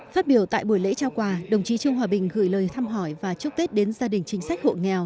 phát biểu tại buổi lễ trao quà đồng chí trương hòa bình gửi lời thăm hỏi và chúc tết đến gia đình chính sách hộ nghèo